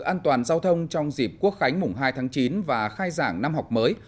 an toàn giao thông trong dịp quốc khánh mùng hai tháng chín và khai giảng năm học mới